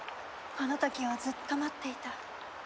この時をずっと待っていた。